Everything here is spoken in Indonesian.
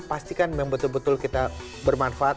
pastikan memang betul betul kita bermanfaat